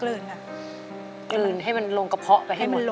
เปลี่ยนเพลงเพลงเก่งของคุณและข้ามผิดได้๑คำ